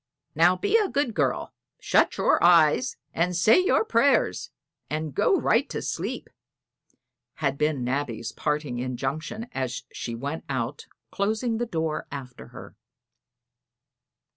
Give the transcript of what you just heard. "Now be a good girl; shut your eyes, and say your prayers, and go right to sleep," had been Nabby's parting injunction as she went out, closing the door after her.